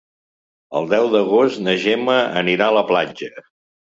El deu d'agost na Gemma anirà a la platja.